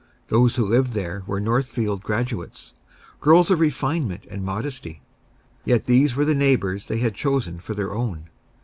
Those who lived there were Northfield graduates, girls of refinement and modesty. Yet these were the neighbors they had chosen for their own.